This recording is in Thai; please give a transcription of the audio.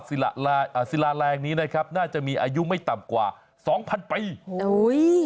ศิลาแรงนี้นะครับน่าจะมีอายุไม่ต่ำกว่า๒๐๐๐ปี